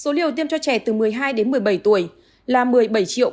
số liều tiêm cho trẻ từ năm một mươi một tuổi